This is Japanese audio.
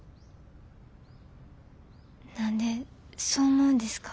何でそう思うんですか？